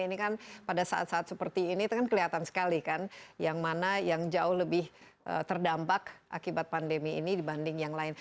ini kan pada saat saat seperti ini kan kelihatan sekali kan yang mana yang jauh lebih terdampak akibat pandemi ini dibanding yang lain